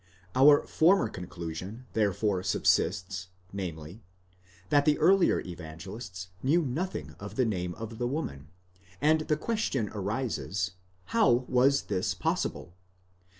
Our former conclusion therefore subsists, namely, that the earlier Evangelists knew nothing of the name of the woman ; and the question arises, how was this possible?